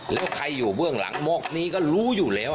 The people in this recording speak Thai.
แล้วใครอยู่เบื้องหลังมอบนี้ก็รู้อยู่แล้ว